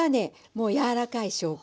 もう柔らかい証拠。